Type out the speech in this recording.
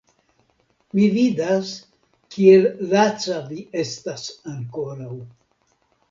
Mi vidas, kiel laca vi estas ankoraŭ.